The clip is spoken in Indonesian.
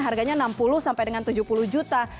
harganya enam puluh sampai dengan tujuh puluh juta